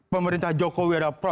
pemerintah jokowi adalah perlaku